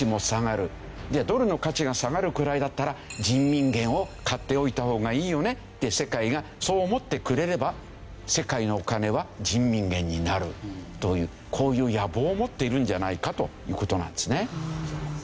じゃあドルの価値が下がるくらいだったら人民元を買っておいた方がいいよねって世界がそう思ってくれれば世界のお金は人民元になるというこういう野望を持っているんじゃないかという事なんですね。